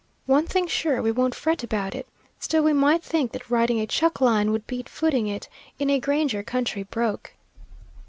One thing sure, we won't fret about it; still we might think that riding a chuck line would beat footing it in a granger country, broke."